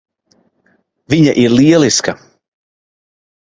Viņa ir lieliska.